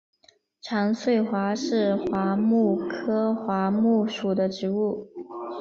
长穗桦是桦木科桦木属的植物。